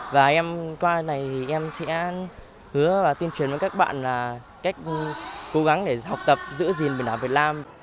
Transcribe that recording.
và em qua này thì em sẽ hứa và tuyên truyền với các bạn là cách cố gắng để học tập giữa diện biển đảo việt nam